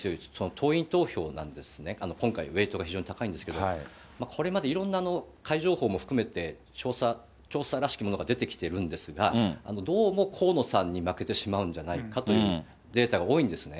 党員投票なんですね、今回ウエートが非常に高いんですけども、これまでいろんな怪情報も含めて、調査らしきものが出てきているんですが、どうも河野さんに負けてしまうんじゃないかというデータが多いんですね。